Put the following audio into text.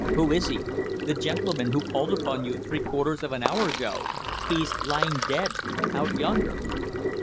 "Who is he?" "The gentleman who called upon you three quarters of an hour ago. He's lying dead out yonder."